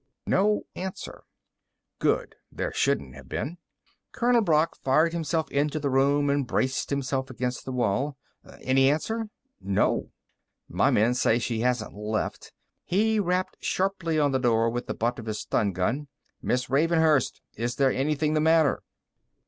No answer. Good. There shouldn't have been. Colonel Brock fired himself into the room and braked himself against the wall. "Any answer?" "No." "My men outside say she hasn't left." He rapped sharply on the door with the butt of his stun gun. "Miss Ravenhurst! Is there anything the matter?"